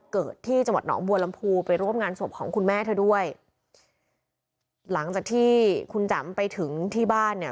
เกิดที่จังหวัดหนองบัวลำพูไปร่วมงานศพของคุณแม่เธอด้วยหลังจากที่คุณแจ๋มไปถึงที่บ้านเนี่ย